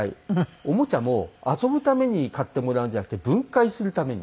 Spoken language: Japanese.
おもちゃも遊ぶために買ってもらうんじゃなくて分解するために。